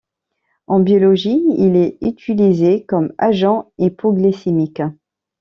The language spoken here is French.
En biologie, il est utilisé comme agent hypoglycémique.